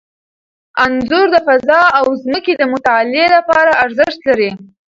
انځور د فضا او ځمکې د مطالعې لپاره ارزښت لري.